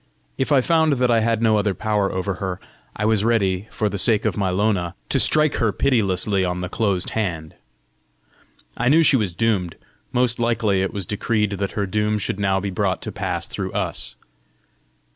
If I found that I had no other power over her, I was ready, for the sake of my Lona, to strike her pitilessly on the closed hand! I knew she was doomed: most likely it was decreed that her doom should now be brought to pass through us!